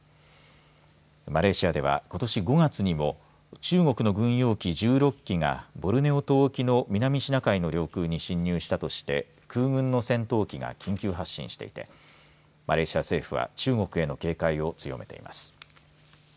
マレーシアではことし５月にも中国の軍用機１６機がボルネオ島沖の南シナ海の領空に侵入したとして空軍の戦闘機が緊急発進していてマレーシア政府は中国への警戒を強めています。